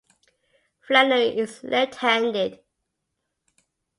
Flannery is left-handed.